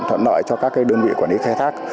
thuận lợi cho các đơn vị quản lý khai thác